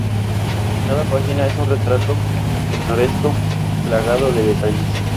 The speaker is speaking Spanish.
Cada página es un retrato pintoresco plagado de detalles.